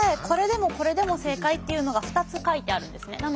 これでもこれでも正解というのが二つ書いてあるんですね。